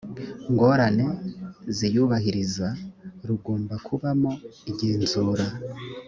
ngorane ziyubahiriza rugomba kubamo igenzura